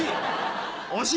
惜しい！